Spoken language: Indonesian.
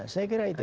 saya kira itu